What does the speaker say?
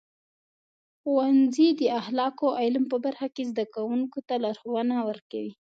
ښوونځي د اخلاقو او علم په برخه کې زده کوونکو ته لارښونه ورکوي.